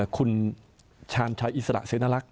คุณชาญชัยอิสระเสียนตะลักษณ์